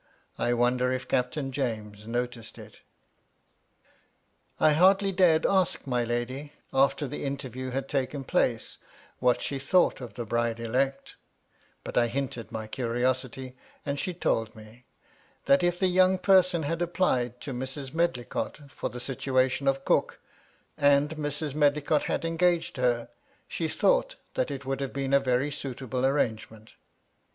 I wonder if Captain James noticed it I hardly dared ask my lady, after the interview had taken place, what she thought of the bride elect ; but I hinted my curiosity, and she told me, that if the young person had applied to Mrs. Medlicott, for the situation of cook, and Mrs. Medlicott had engaged her, she thought that it would have been a very suitable ar rangement.